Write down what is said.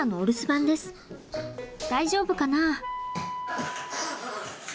大丈夫かな？